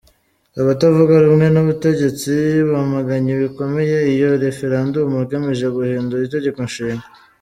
Abatavuga rumwe n’ubutegetsi bamaganye bikomeye iyo referandumu igamije guhindura Itegeko Nshinga.